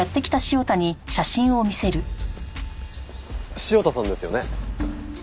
潮田さんですよね。